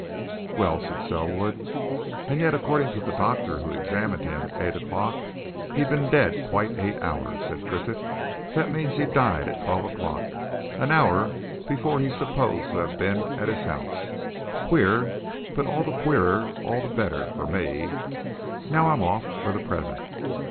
"Well?" said Selwood. "And yet according to the doctor who examined him at eight o'clock he'd been dead quite eight hours!" said Triffitt. "That means he died at twelve o'clock an hour before he's supposed to have been at his house! Queer! But all the queerer, all the better for me! Now I'm off for the present.